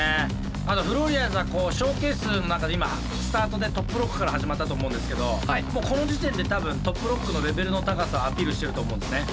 あとフローリアーズはショーケースの中で今スタートでトップロックから始まったと思うんですけどもうこの時点で多分トップロックのレベルの高さをアピールしてると思うんですね。